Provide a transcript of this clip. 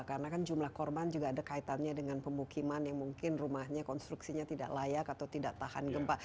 karena kan jumlah korban juga ada kaitannya dengan pemukiman yang mungkin rumahnya konstruksinya tidak layak atau tidak tahan gempa